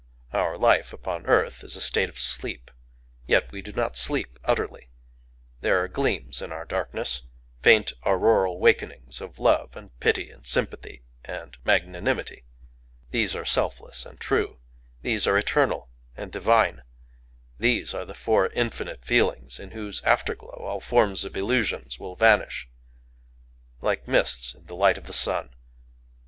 Our life upon earth is a state of sleep. Yet we do not sleep utterly. There are gleams in our darkness,—faint auroral wakenings of Love and Pity and Sympathy and Magnanimity: these are selfless and true;—these are eternal and divine;—these are the Four Infinite Feelings in whose after glow all forms and illusions will vanish, like mists in the light of the sun.